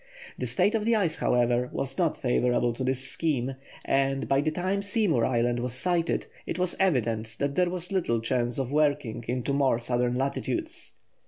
The state of the ice, however, was not favourable to this scheme, and, by the time Seymour Island was sighted, it was evident there was little chance of working into more southern latitudes.